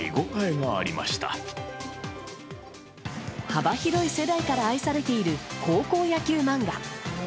幅広い世代から愛されている高校野球漫画。